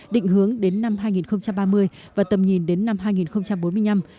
định hướng đến năm hai nghìn ba mươi và tầm nhìn đến năm hai nghìn bốn mươi năm